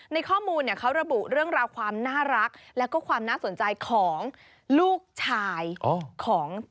ในข้อมูลเนี่ยเขาระบุเรื่องราวความน่ารักแล้วก็ความน่าสนใจของลูกชายของ